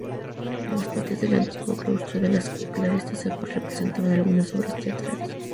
En los patios del antiguo claustro de las Clarisas se representaban algunas obras teatrales.